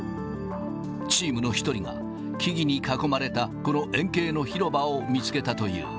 チームの１人が、木々に囲まれたこの円形の広場を見つけたという。